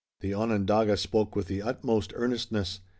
The Onondaga spoke with the utmost earnestness.